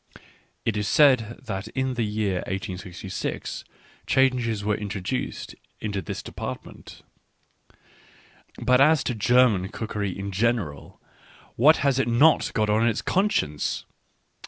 (It is said that in the year 1866 changes were introduced into this depart ment.) But as to German cookery in general — what has it not got on its conscience!